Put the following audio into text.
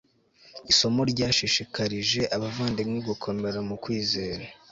isomo ryashishikarije abavandimwe gukomera mu kwizera